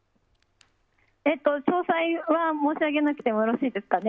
詳細は申し上げなくてもよろしいですかね。